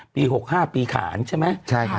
ปีหกห้าปีขาลใช่ไหมใช่ครับ